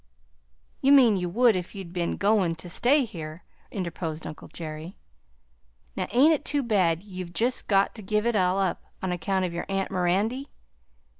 "You mean you would if you'd ben goin' to stay here," interposed uncle Jerry. "Now ain't it too bad you've jest got to give it all up on account o' your aunt Mirandy?